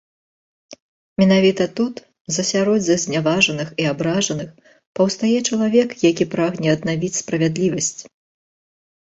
Менавіта тут з асяроддзя зняважаных і абражаных паўстае чалавек, які прагне аднавіць справядлівасць.